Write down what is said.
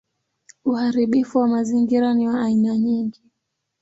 Uharibifu wa mazingira ni wa aina nyingi.